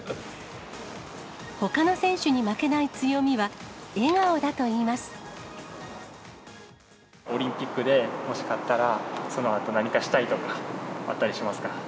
ほかの選手に負けない強みは、オリンピックでもし勝ったら、そのあと何かしたいとかあったりしますか？